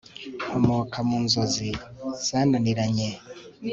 nkomoka mu nzozi zananiranye